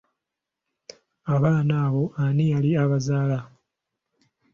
Abaana abo ani yali abazaala?